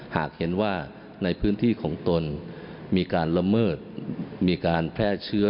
หากเห็นว่าในพื้นที่ของตนมีการละเมิดมีการแพร่เชื้อ